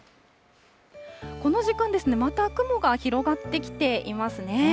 この時間、また雲が広がってきていますね。